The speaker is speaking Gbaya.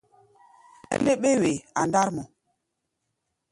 Nɛ́ léɓé-wee a ndár mɔ.